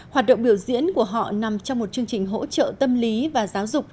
hoạt động biểu diễn của họ nằm trong một chương trình hỗ trợ tâm lý và giáo dục